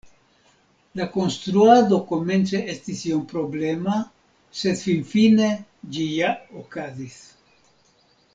La konstruado komence estis iom problema, sed finfine ĝi ja okazis.